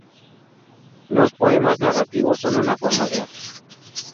Los poemas narrativos son una forma de arte.